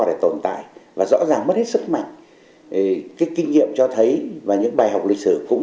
để tồn tại và rõ ràng mất hết sức mạnh cái kinh nghiệm cho thấy và những bài học lịch sử cũng